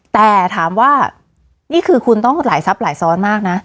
แต่ถามว่านี่คือคุณต้องหลายทรัพย์หลายซ้อนมากนะ